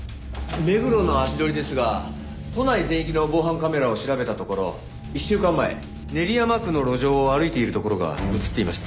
目黒の足取りですが都内全域の防犯カメラを調べたところ１週間前練山区の路上を歩いているところが映っていました。